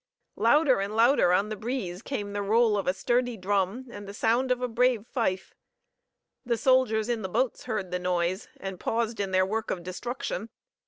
Louder and louder on the breeze came the roll of a sturdy drum and the sound of a brave fife. The soldiers in the boats heard the noise and paused in their work of destruction.